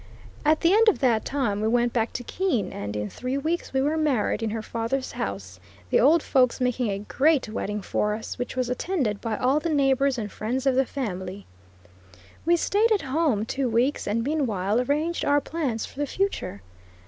At the end of that time we went back to Keene, and in three weeks we were married in her father's house, the old folks making a great wedding for us, which was attended by all the neighbors and friends of the family. We stayed at home two weeks, and meanwhile arranged our plans for the future.